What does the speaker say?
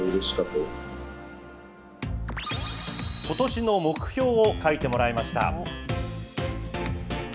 ことしの目標を書いてもらいました。